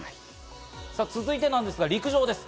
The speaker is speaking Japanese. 続いてなんですが、陸上です。